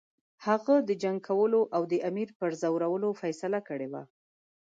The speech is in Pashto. هغه د جنګ کولو او د امیر پرزولو فیصله کړې وه.